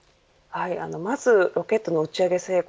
まずロケットの打ち上げ成功